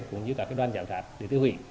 cũng như các đoàn giảm sát để tiêu hủy